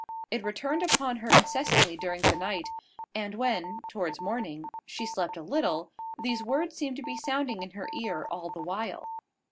It returned upon her incessantly during the night; and when, towards morning, she slept a little, these words seemed to be sounding in her ear all the while.